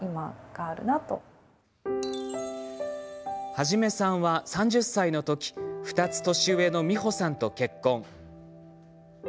ハジメさんは、３０歳の時２つ年上の美保さんと結婚。